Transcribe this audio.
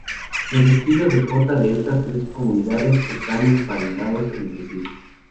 Los estilos de jota de estas tres comunidades están emparentados entre sí.